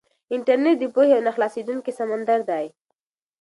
انټرنيټ د پوهې یو نه خلاصېدونکی سمندر دی.